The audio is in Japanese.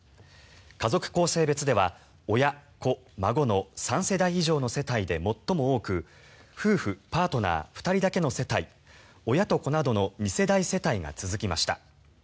家族構成別では親・子・孫の３世代以上の世帯で最も多く夫婦・パートナー２人だけの世帯親と子などの２世代世帯などが続きました。